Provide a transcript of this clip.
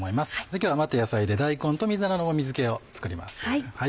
今日は余った野菜で大根と水菜のもみ漬けを作ります。